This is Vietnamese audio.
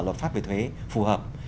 luật pháp về thuế phù hợp